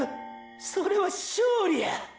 それは勝利や！！